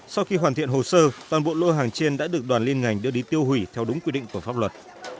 sau khi hoàn thiện hồ sơ toàn bộ lô hàng trên đã được đoàn liên ngành đưa đi tiêu hủy theo đúng quy định của pháp luật